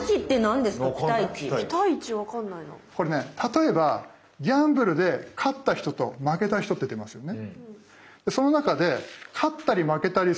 これね例えばギャンブルで勝った人と負けた人って出ますよね。